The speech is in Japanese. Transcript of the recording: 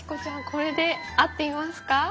「これ」で合っていますか？